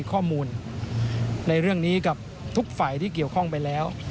ข้อมูลในเรื่องนี้กับทุกฝ่ายที่เกี่ยวข้องไปแล้ว